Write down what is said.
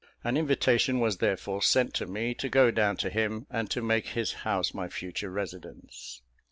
An invitation was therefore sent to me to go down to him, and to make his house my future residence.